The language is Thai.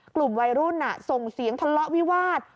กลุ่มวัยรุ่นส่งเสียงทะเลาะวิวาส